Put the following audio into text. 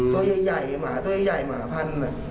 ตัวใหญ่หมาตัวใหญ่หมาพันธุ์